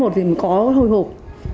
một thì mình có hồi hộp